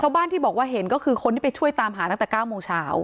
บ้านที่บอกว่าเห็นก็คือคนที่ไปช่วยตามหาตั้งแต่๙โมงเช้า